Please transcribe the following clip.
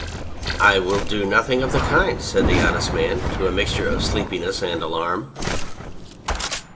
" I will do nothing of the kind/' said the Honest Man in a mixture of sleepiness and alarm.